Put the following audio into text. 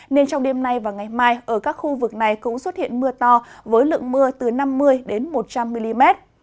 nên trong đêm nay và ngày mai ở các khu vực này cũng xuất hiện mưa to với lượng mưa từ năm mươi một trăm linh mm